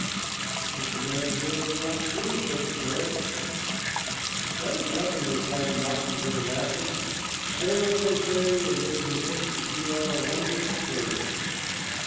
"But the man's words were not true," said the parrot. "That is nothing," replied the mocking bird, laughing. "Say what they say, and they will think you are a wonderful bird."